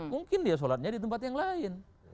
mungkin dia sholatnya di tempat yang lain